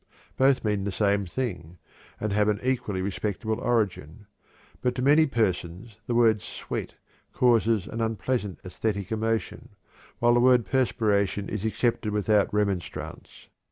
Both mean the same thing, and have an equally respectable origin. But to many persons the word "sweat" causes unpleasant æsthetic emotion, while the word "perspiration" is accepted without remonstrance.